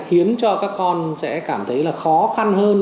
khiến cho các con sẽ cảm thấy là khó khăn hơn